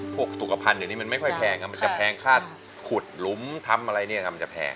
พวกสุขภัณฑ์เดี๋ยวนี้มันไม่ค่อยแพงมันจะแพงค่าขุดหลุมทำอะไรเนี่ยมันจะแพง